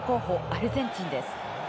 アルゼンチンです。